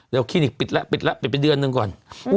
แล้วคลินิกปิดแล้วปิดแล้วเป็นไม่เดือนนึงก่อน